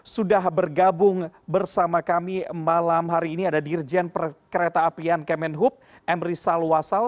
sudah bergabung bersama kami malam hari ini ada dirjen perkereta apian kemenhub emry salwasal